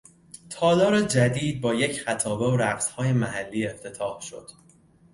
تالار جدید با یک خطابه و رقصهای محلی افتتاح شد.